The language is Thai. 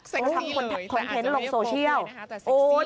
เซ็กซี่เลยแต่อาจจะไม่บอกเลยแต่เซ็กซี่เลย